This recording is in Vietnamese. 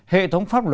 hệ thống phát triển